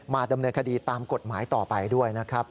ดำเนินคดีตามกฎหมายต่อไปด้วยนะครับ